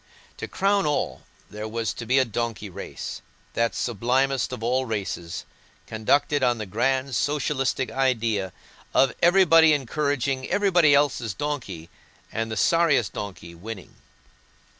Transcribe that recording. To crown all, there was to be a donkey race—that sublimest of all races, conducted on the grand socialistic idea of everybody encouraging everybody else's donkey, and the sorriest donkey winning.